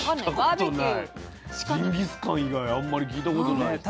ジンギスカン以外あんまり聞いたことないです。